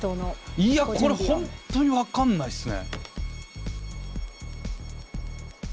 いやこれ本当に分かんないっすね。